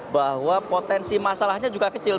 bahwa potensi masalahnya juga kecil